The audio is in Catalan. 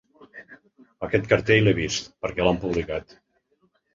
Aquest cartell l’he vist, perquè l’han publicat.